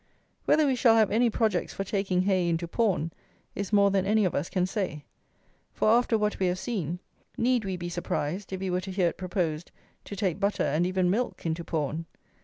Whether we shall have any projects for taking hay into pawn is more than any of us can say; for, after what we have seen, need we be surprised if we were to hear it proposed to take butter and even milk into pawn.